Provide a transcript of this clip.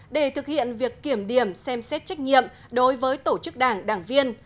để thực hiện việc kiểm điểm xem xét trách nhiệm đối với tổ chức đảng đảng viên